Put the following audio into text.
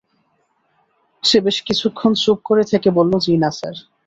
সে বেশ কিছুক্ষণ চুপ করে থেকে বলল, জ্বি-না স্যার।